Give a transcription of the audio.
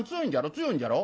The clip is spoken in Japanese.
強いんじゃろ？」。